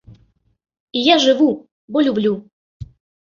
І я жыву, бо люблю!